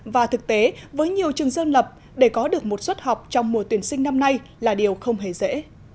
và thực tế với nhiều trường dân lập để có được một suất học trong mùa tuyển sinh năm nay là điều không hề dễ